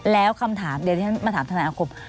แล้วคำถามเดี๋ยวฉันมาถามธนาคม